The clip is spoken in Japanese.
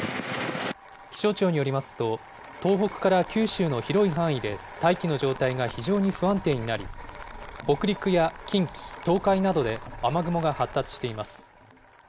気象庁によりますと、東北から九州の広い範囲で大気の状態が非常に不安定になり、北陸や近畿、東海などで雨雲が発達しています。